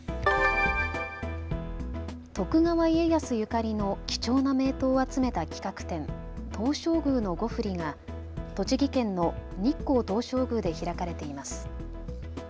徳川家康ゆかりの貴重な名刀を集めた企画展、東照宮の五振が栃木県の日光東照宮で開かれています。